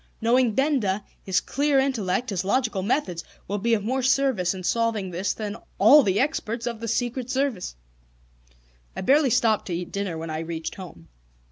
Knowing Benda, his clear intellect, his logical methods, will be of more service in solving this than all the experts of the Secret Service." I barely stopped to eat dinner when I reached home.